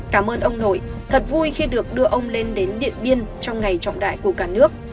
cảm ơn ông nội thật vui khi được đưa ông lên đến điện biên trong ngày trọng đại của cả nước